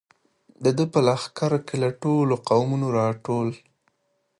د ده په لښکر کې له ټولو قومونو را ټول.